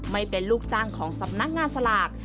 ไม่เป็นลูกจ้างของสำนักงานสลาก